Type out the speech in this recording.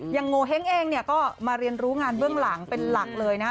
โงเห้งเองเนี่ยก็มาเรียนรู้งานเบื้องหลังเป็นหลักเลยนะฮะ